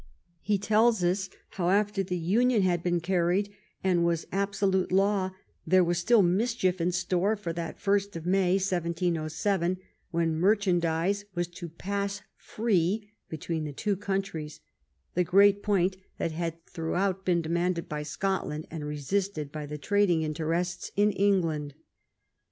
He tells us how "After the union had been carried and was absolute law, there was still mischief in store for that Ist of May, 1707, when merchandise was to pass free be tween the two countries — the great point that had throughout been demanded by Scotland and resisted by the trading interests of England."